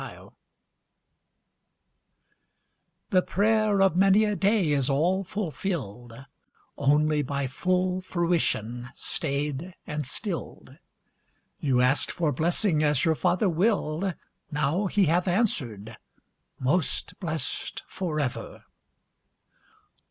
_) The prayer of many a day is all fulfilled, Only by full fruition stayed and stilled; You asked for blessing as your Father willed, Now He hath answered: 'Most blessed for ever!'